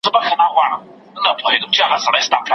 خبر دي راووړ د حریفانو